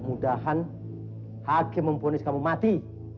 madah madahan hakim mempunis kamu mati